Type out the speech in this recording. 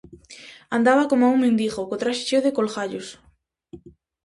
Andaba coma un mendigo, co traxe cheo de colgallos.